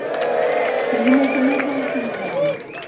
Tenir molta merda a la carmanyola